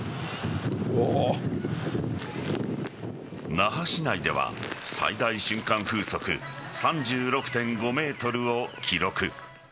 那覇市内では最大瞬間風速３６．５メートルを記録。